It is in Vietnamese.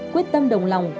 quyết tâm đồng lòng